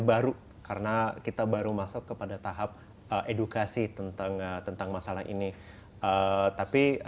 baru karena kita baru masuk kepada tahap edukasi tentang tentang masalah ini tapi